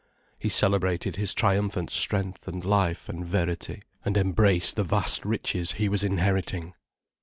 He celebrated his triumphant strength and life and verity, and embraced the vast riches he was inheriting.